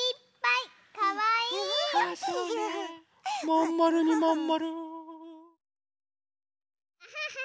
まんまるにまんまる。